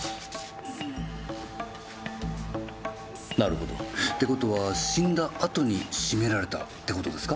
なるほど。って事は死んだ後に絞められたって事ですか？